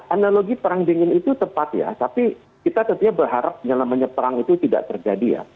analogi perang dingin itu tepat ya tapi kita tentunya berharap yang namanya perang itu tidak terjadi ya